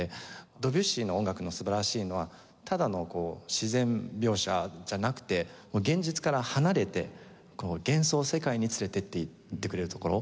ドビュッシーの音楽の素晴らしいのはただの自然描写じゃなくて現実から離れて幻想世界に連れて行ってくれるところかなと思います。